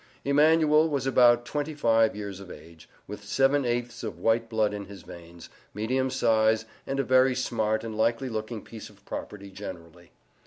EMANUEL was about twenty five years of age, with seven eighths of white blood in his veins, medium size, and a very smart and likely looking piece of property generally.